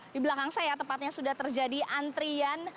di belakang saya tepatnya sudah terjadi antrian